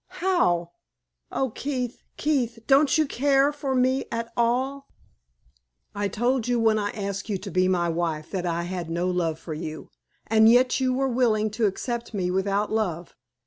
"How? Oh, Keith! Keith! don't you care for me at all?" "I told you, when I asked you to be my wife, that I had no love for you, and yet you were willing to accept me without love.